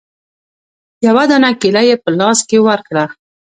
يوه دانه کېله يې په لاس کښې ورکړه.